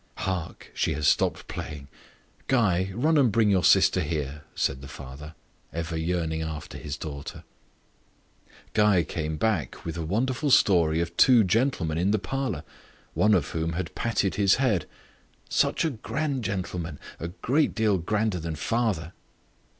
"Hark! she has stopped playing. Guy, run and bring your sister here," said the father, ever yearning after his darling. Guy came back with a wonderful story of two gentlemen in the parlour, one of whom had patted his head "Such a grand gentleman, a great deal grander than father!"